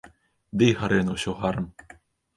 Ды і гары яно ўсё гарам.